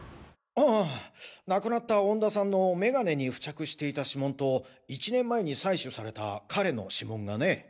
うん亡くなった恩田さんの眼鏡に付着していた指紋と１年前に採取された彼の指紋がね。